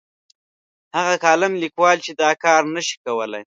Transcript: هغه کالم لیکوال چې دا کار نه شي کولای.